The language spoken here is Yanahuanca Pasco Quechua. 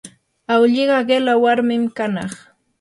awlliqa qilla warmi kanaq.